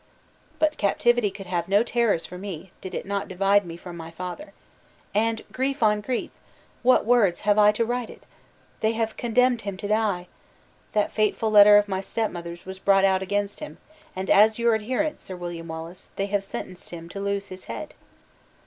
But captivity could have no terrors for me, did it not divide me from my father. And, grief on grief! what words have I to write it? they have CONDEMNED HIM TO DIE! That fatal letter of my step mother's was brought out against him, and as your adherent, Sir William Wallace, they have sentenced him to lose his head!